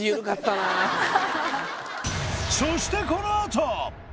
そしてこのあと！